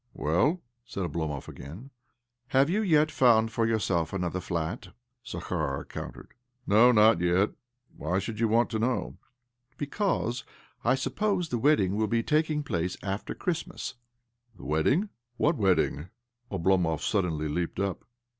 "Well?" said Oblomov again. " Have you yet found for yourself another flat?" Zakhar countered. "No, not yet. Why should you want to know?" " Because I suppose the wedding will be taking place soon after Christmas." "The wedding? What wedding? " Oblo mov suddenly leaped up.